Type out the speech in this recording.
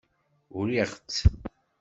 Uriɣ-tt.